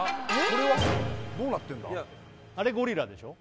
これはどうなってんだ？